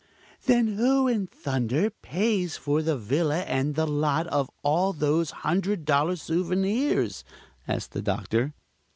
"Then who in thunder pays for the villa and the lot and all those hundred dollar souvenirs?" asked the Doctor.